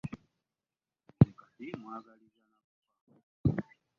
Nze kati mmwagaliza na kufa.